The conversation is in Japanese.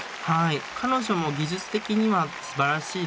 彼女も技術的にはすばらしいですね。